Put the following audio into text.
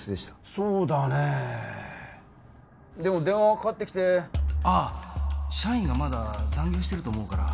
そうだねえでも電話がかかってきて社員がまだ残業してると思うから